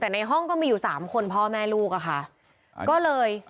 แต่ในห้องก็มีอยู่๓คนพ่อแม่ลูกอะค่ะ